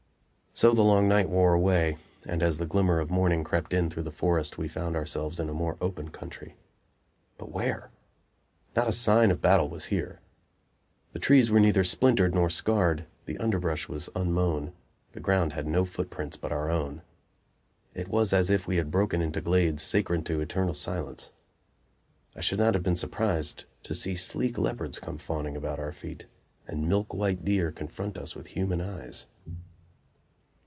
So the long night wore away, and as the glimmer of morning crept in through the forest we found ourselves in a more open country. But where? Not a sign of battle was here. The trees were neither splintered nor scarred, the underbrush was unmown, the ground had no footprints but our own. It was as if we had broken into glades sacred to eternal silence. I should not have been surprised to see sleek leopards come fawning about our feet, and milk white deer confront us with human eyes.